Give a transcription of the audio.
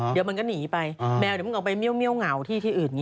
เดี๋ยวมันก็หนีไปแมวเดี๋ยวมึงออกไปเมียวเหงาที่อื่น